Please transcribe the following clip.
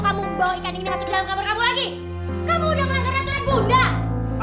kamu udah nganggar raturan bunda